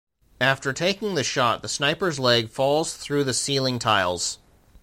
After taking the shot, the sniper's leg falls through the ceiling tiles.